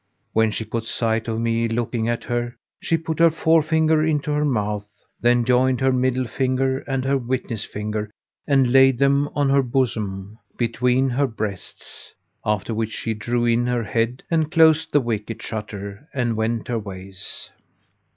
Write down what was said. When she caught sight of me looking at her, she put her forefinger into her mouth, then joined her middle finger and her witness finger[FN#483] and laid them on her bosom, between her breasts; after which she drew in her head and closed the wicket shutter and went her ways.